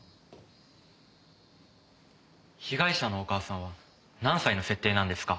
被害者のお母さんは何歳の設定なんですか？